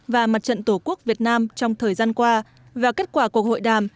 và mặt trận tổ quốc việt nam trong thời gian qua và kết quả cuộc hội đàm